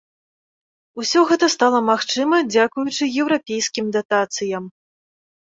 Усё гэта стала магчыма, дзякуючы еўрапейскім датацыям.